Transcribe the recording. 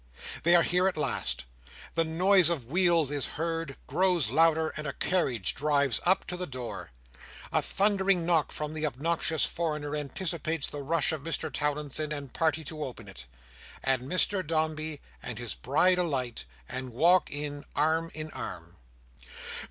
They are here at last! The noise of wheels is heard, grows louder, and a carriage drives up to the door! A thundering knock from the obnoxious foreigner anticipates the rush of Mr Towlinson and party to open it; and Mr Dombey and his bride alight, and walk in arm in arm.